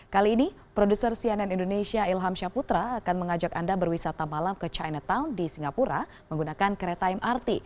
kali ini produser cnn indonesia ilham syaputra akan mengajak anda berwisata malam ke chinatown di singapura menggunakan kereta mrt